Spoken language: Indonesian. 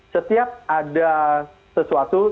setiap ada sesuatu